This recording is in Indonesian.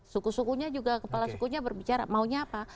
suku sukunya juga kepala sukunya berbicara maunya apa